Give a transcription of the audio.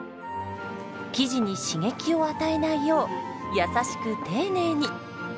生地に刺激を与えないよう優しく丁寧に。